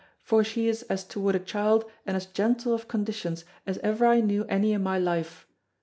"For she is as toward a child and as gentle of conditions, as ever I knew any in my life.